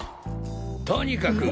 とにかく！！